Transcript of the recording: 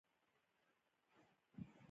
په زرهاوو نورو افتونو کې په لاس لرلو تورن شو.